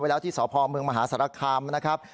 ไว้แล้วที่สพมมหาศาลคำนะครับ